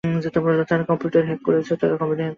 তারা কম্পিউটারও হ্যাক করেছে।